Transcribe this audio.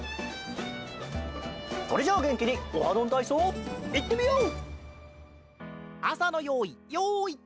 それじゃあげんきに「オハどんたいそう」いってみよう！